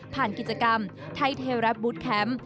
ผ่านกิจกรรมไทเทร์แร็พบูธแคมป์